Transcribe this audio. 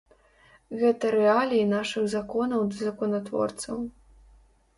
Гэта рэаліі нашых законаў ды законатворцаў.